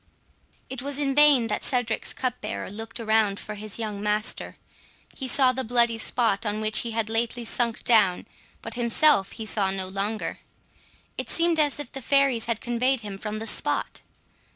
It was in vain that Cedric's cupbearer looked around for his young master—he saw the bloody spot on which he had lately sunk down, but himself he saw no longer; it seemed as if the fairies had conveyed him from the spot.